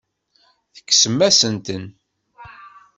Tekksemt-asent-ten.